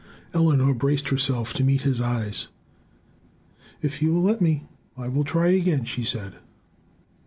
Eleanor braced herself to meet his eyes. "If you will let me, I will try again," she said.